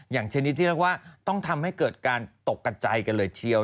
ชนิดที่เรียกว่าต้องทำให้เกิดการตกกระจายกันเลยทีเดียว